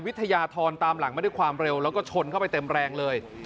ทรตามหลังมาด้วยความเร็วแล้วก็ชนเข้าไปเต็มแรงเลย